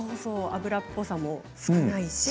油っぽさも少ないし。